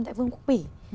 tại vương quốc bỉ